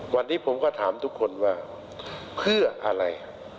วันนี้ผมก็ถามทุกคนว่าเพื่ออะไร